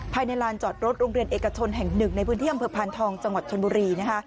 ลานจอดรถโรงเรียนเอกชนแห่งหนึ่งในพื้นที่อำเภอพานทองจังหวัดชนบุรีนะคะ